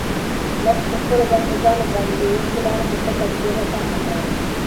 لښتې په خپلو باړخوګانو باندې د اوښکو لاره په پټه تېره پاکه کړه.